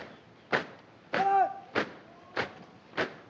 lalu kita akan menyaksikan